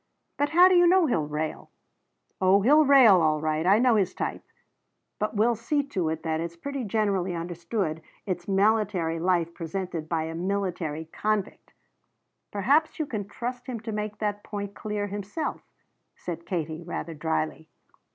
"But how do you know he'll rail?" "Oh he'll rail, all right. I know his type. But we'll see to it that it's pretty generally understood it's military life as presented by a military convict." "Perhaps you can trust him to make that point clear himself," said Katie rather dryly.